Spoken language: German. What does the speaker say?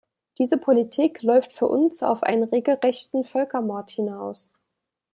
Diese Politik läuft für uns auf einen regelrechten Völkermord hinaus.